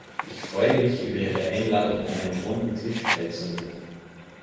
Ich freue mich über Ihre Einladung, an einem runden Tisch teilzunehmen.